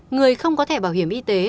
người không có thể bảo hiểm y tế